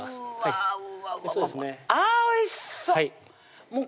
あぁおいしそう！